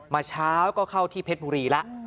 เช้าก็เข้าที่เพชรบุรีแล้ว